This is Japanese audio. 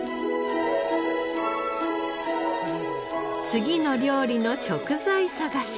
次の料理の食材探し。